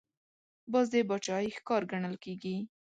باز د باچاهۍ ښکار ګڼل کېږي